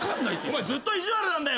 お前ずっと意地悪なんだよ。